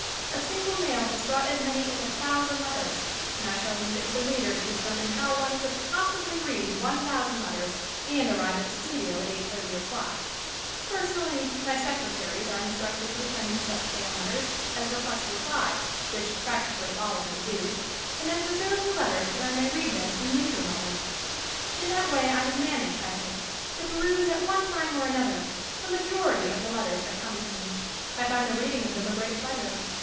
A single mail has brought as many as a thou sand letters and I shall leave it to the reader to determine how one could possibly read one thousand letters and arrive at the studio at 8:30 o'clock. Personally, my secretaries are instructed to attend to such fan letters as re quest a reply which practically all of them do and then preserve the letters that I may read them in leisure moments. In that way I have managed I think to per use at one time or another the majority of the letters that come to me. I find the reading of them a great pleasure.